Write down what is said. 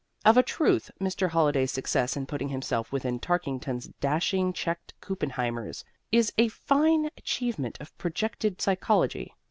Of a truth, Mr. Holliday's success in putting himself within Tarkington's dashing checked kuppenheimers is a fine achievement of projected psychology.